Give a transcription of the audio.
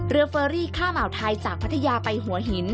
เฟอรี่ข้ามอ่าวไทยจากพัทยาไปหัวหิน